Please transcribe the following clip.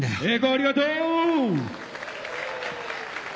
ありがとう！